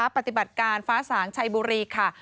ปฏิบัติการฟ้าสางชัยบุรีค่ะ